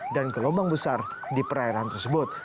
dan gelombang besar di perairan tersebut